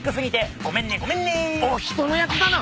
おっ人のやつだな。